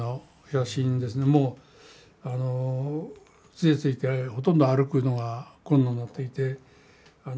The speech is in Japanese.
杖ついてほとんど歩くのが困難になっていて。